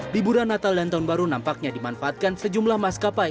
liburan natal dan tahun baru nampaknya dimanfaatkan sejumlah maskapai